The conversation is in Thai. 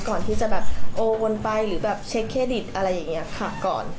ก่อนที่จะแบบโอวนไปหรือแบบเช็คเครดิตอะไรอย่างนี้ค่ะก่อน